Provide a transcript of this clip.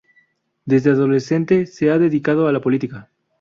Desde adolescente se ha dedicado a la política.